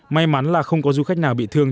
may mắn là không có du khách nào bị thương